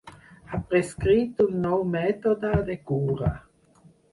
Ha prescrit un nou mètode de cura.